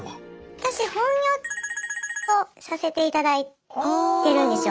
私本業をさせていただいてるんですよ。